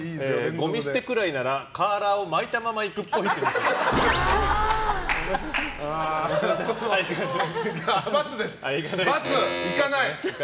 ごみ捨てくらいならカーラーを巻いたまま行くっぽい。×、行かない。